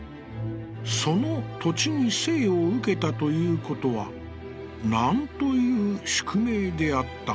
その土地に生をうけた、ということは何という宿命であったか。